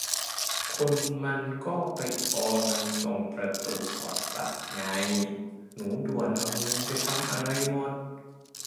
คนมันก็ไปออกันตรงประตูสอดบัตรไง หนูด่วนเอาเงินไปทำอะไรหมด